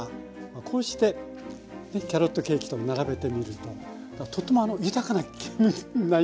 こうしてキャロットケーキと並べてみるととても豊かな気分になりますよね。